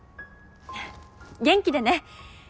元気でね。